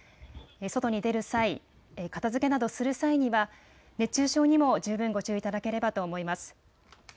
外に出る際、片づけなどする際には熱中症にも十分ご注意いただければと思います。